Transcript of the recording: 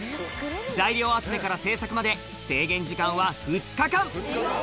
材料集めから製作まで、制限時間は２日間。